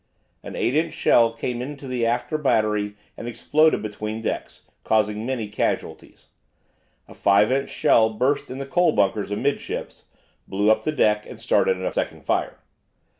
An 8 inch shell came into the after battery and exploded between decks, causing many casualties. A 5 inch shell burst in the coal bunkers amidships, blew up the deck, and started a second fire.